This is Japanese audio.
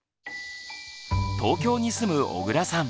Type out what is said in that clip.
東京に住む小倉さん。